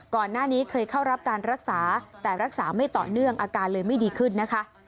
ก่อนหน้านี้เคยเข้ารับการรักษาแต่รักษาไม่ต่อเนื่องอาการเลยไม่ดีขึ้นนะคะ